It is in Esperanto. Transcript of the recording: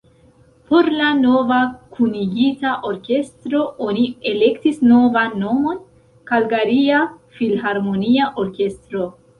Por la nova kunigita orkestro oni elektis novan nomon: Kalgaria Filharmonia Orkestro.